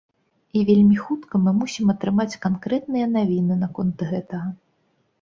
І вельмі хутка мы мусім атрымаць канкрэтныя навіны наконт гэтага.